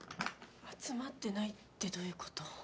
集まってないってどういうこと？